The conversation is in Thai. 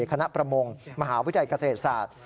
คณะประมงมหาวิทยาลัยเกษตรศาสตร์